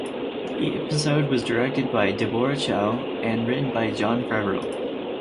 The episode was directed by Deborah Chow and written by Jon Favreau.